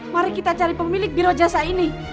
mari kita cari pemilik biro jasa ini